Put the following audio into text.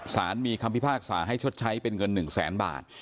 สารมีคำพิพากษาให้ชดใช้เป็นเงิน๑แสนบาท